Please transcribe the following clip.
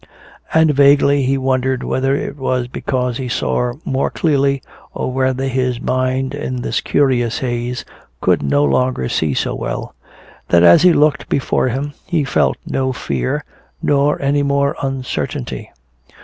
And vaguely he wondered whether it was because he saw more clearly, or whether his mind in this curious haze could no longer see so well, that as he looked before him he felt no fear nor any more uncertainty.